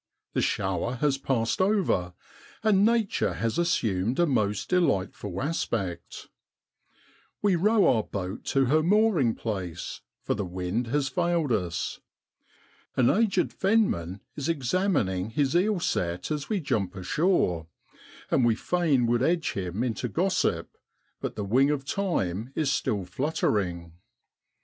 The shower has passed over, and nature has assumed a most delightful aspect. We row our boat to her mooring place, for the wind has failed us. An aged fenman is examining his eel set as we jump ashore, and we fain would edge him into gossip, but the wing of time is still fluttering.